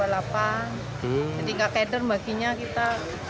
jadi nggak keder baginya kita